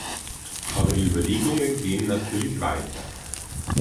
Aber die Überlegungen gehen natürlich weiter.